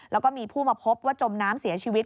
แล้วก็มีผู้มาพบว่าจมน้ำเสียชีวิต